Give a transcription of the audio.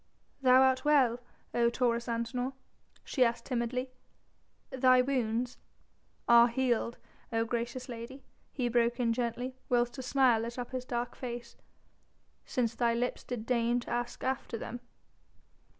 "Thou art well, O Taurus Antinor?" she asked timidly; "thy wounds...." "Are healed, O gracious lady," he broke in gently, whilst a smile lit up his dark face, "since thy lips did deign to ask after them."